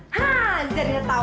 hah zarina tau